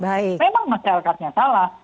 memang masyarakatnya salah